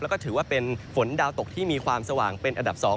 แล้วก็ถือว่าเป็นฝนดาวตกที่มีความสว่างเป็นอันดับ๒